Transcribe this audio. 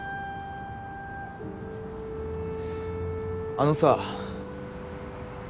あのさ。